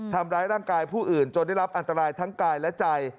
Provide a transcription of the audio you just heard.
ทำร้ายร่างกายผู้อื่นจนได้รับอันตรายทั้งกายและใจ